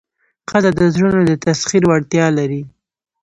ښځه د زړونو د تسخیر وړتیا لري.